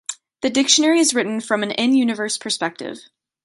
The dictionary is written from an in-universe perspective.